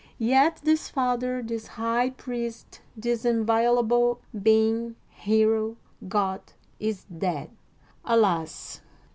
Yet this father, this high priest, this inviolable being, hero, god, is dead ; alas